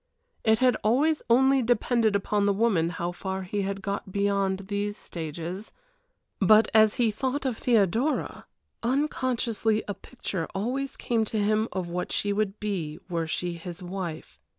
It had always only depended upon the woman how far he had got beyond these stages; but, as he thought of Theodora, unconsciously a picture always came to him of what she would be were she his wife.